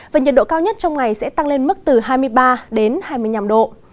và nhiệt độ cao nhất trong ngày sẽ tăng lên mức từ hai mươi ba đến hai mươi năm độ